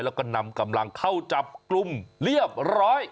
แล้วก็นำกำลังเข้าจับกลุ่มเรียบร้อย